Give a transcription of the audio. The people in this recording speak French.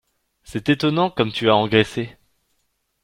c’est étonnant comme tu as engraissé !